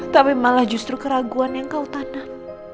tapi malah justru keraguan yang kau tanam